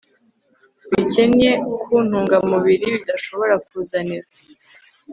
bikennye ku ntungamubiri bidashobora kuzanira